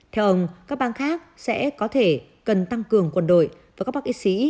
theo ông các băng khác sẽ có thể cần tăng cường quân đội và các bác y sĩ